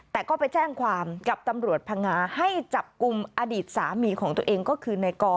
แต่ก็ไปแจ้งความกับตำรวจพังงาให้จับกลุ่มอดีตสามีของตัวเองก็คือในกอ